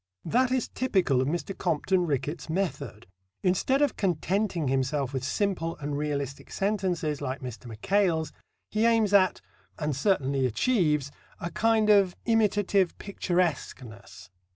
That is typical of Mr. Compton Rickett's method. Instead of contenting himself with simple and realistic sentences like Mr. Mackail's, he aims at and certainly achieves a kind of imitative picturesqueness.